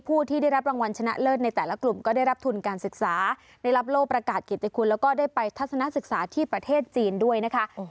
โอ้ได้เห็นเขาลงสีสวยนะ